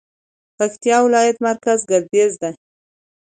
پکتيا ولايت مرکز ګردېز ده